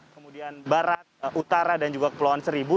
kemudian barat utara dan juga kepulauan seribu